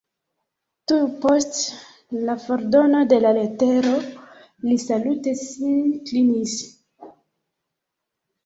Tuj post la fordono de la letero li salute sin klinis.